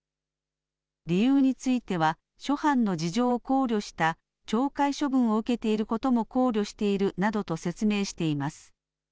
理由については、諸般の事情を考慮した、懲戒処分を受けていることも考慮しているなどと説明しています。